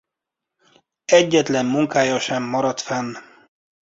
Egyetlen munkája sem maradt fenn.